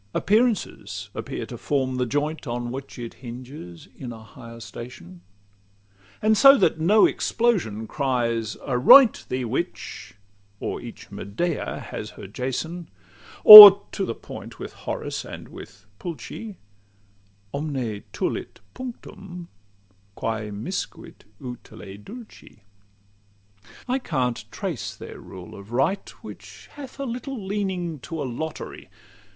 Appearances appear to form the joint On which it hinges in a higher station; And so that no explosion cry "Aroint Thee, witch!" or each Medea has her Jason; Or (to the point with Horace and with Pulci) "Omne tulit punctum, quæ miscuit utile dulci." LXXXII I can't exactly trace their rule of right, Which hath a little leaning to a lottery.